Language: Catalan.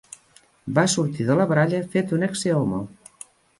Va sortir de la baralla fet un eccehomo!